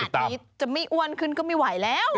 ล็อปเตอร์ขนาดนี้จะไม่อ้วนขึ้นก็ไม่ไหวแล้ว